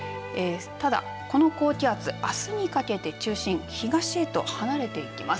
ただこの高気圧あすにかけて中心東へと離れていきます。